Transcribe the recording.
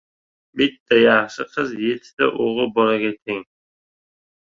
• Bitta yaxshi qiz yettita o‘g‘il bolaga teng.